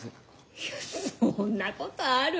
いやそんなことある？